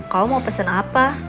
kau mau pesen apa